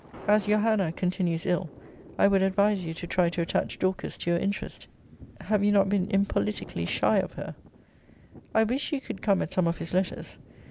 As your Hannah continues ill, I would advise you to try to attach Dorcas to your interest. Have you not been impoliticly shy of her? I wish you could come at some of his letters.